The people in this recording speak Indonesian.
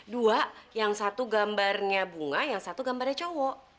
dua yang satu gambarnya bunga yang satu gambarnya cowok